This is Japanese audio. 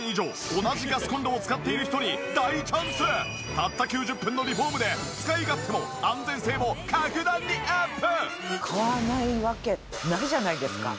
たった９０分のリフォームで使い勝手も安全性も格段にアップ！